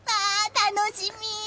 楽しみ！